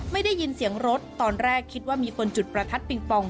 ไม่ได้ยินเสียงรถตอนแรกคิดว่ามีคนจุดประทัดปิงปอง